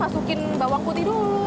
masukin bawang putih dulu